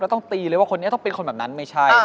ต้องตีเลยว่าคนนี้ต้องเป็นคนแบบนั้นไม่ใช่